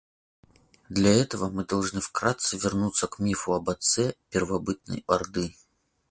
Для этого мы должны вкратце вернуться к мифу об отце первобытной орды.